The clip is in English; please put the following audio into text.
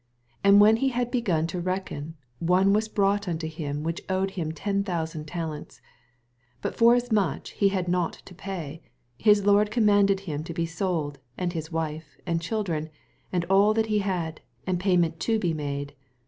24 And when he had begun to reckon, one was brought unto him, which owed him ten thousand tal ents. 25 But forasmuch as he had not to pay, his lord commanded him to be sold, and his wife, and children, and all that he had, and payment to be made.